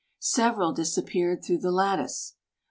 Several disappeared through the lattice.